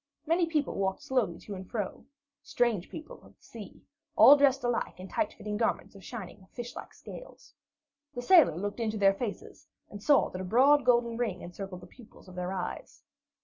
Many people walked slowly to and fro strange people of the sea, all dressed alike in tight fitting garments of shining, fish like scales. The sailor looked into their faces and saw that a broad golden ring encircled the pupils of their eyes.